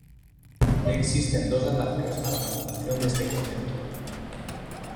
Existen dos dataciones para la fundación de este convento.